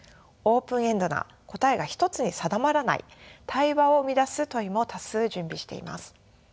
オープンエンドな答えが一つに定まらない対話を生み出す問いも多数準備しています。